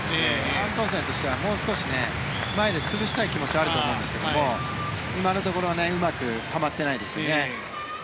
アントンセンとしてはもう少し前で潰したい気持ちがあると思うんですけども今のところうまくはまってないですよね。